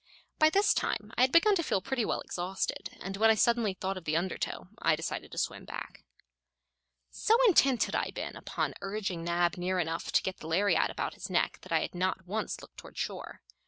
By this time I had begun to feel pretty well exhausted, and when I suddenly thought of the undertow, I decided to swim back. So intent had I been upon urging Nab near enough to get the lariat about his neck that I had not once looked toward shore.